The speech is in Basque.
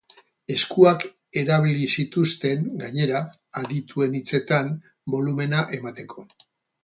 Eskuak erabili zituzten, gainera, adituen hitzetan, bolumena emateko.